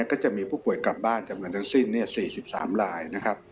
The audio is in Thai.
ก็จะมีผู้ป่วยกลับบ้านจำนวนทั้งสิ้น๔๓ลายนะครับ